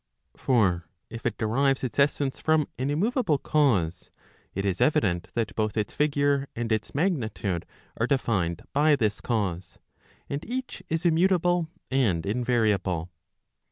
For if it derives its essence from an immoveable cause, it is evident that both its figure and its magnitude are defined by this cause, and each is immutable and invariable.